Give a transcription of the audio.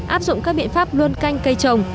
áp dụng các biện pháp luôn canh cây trồng